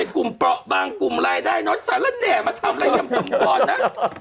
กลุ่มเปราะบางกลุ่มรายได้น้อยสาระแน่มาทำอะไรยำตำปอนนะ